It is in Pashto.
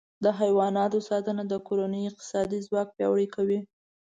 د حیواناتو ساتنه د کورنۍ اقتصادي ځواک پیاوړی کوي.